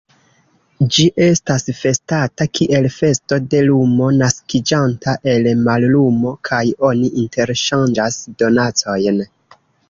Ĝi estas festata kiel festo de lumo naskiĝanta el mallumo, kaj oni interŝanĝas donacojn.